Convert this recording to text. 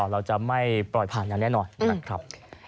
เราจะไม่ปล่อยผ่านอย่างแน่นอนนะครับ